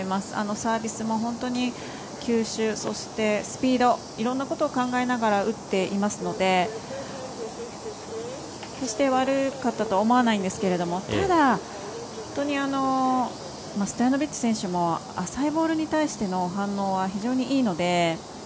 サービスも本当に球種スピード、いろんなことを考えながら打っていますので決して悪かったとは思わないんですけどただ本当にストヤノビッチ選手も浅いボールに対しての反応は非常にいいので。